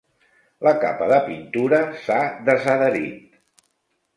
La capa de pintura s'ha desadherit.